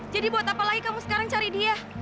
jadi buat apa lagi kamu sekarang cari dia